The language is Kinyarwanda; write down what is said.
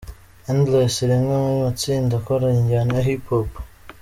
Endless rimwe mu matsinda akora injyana ya HipHop.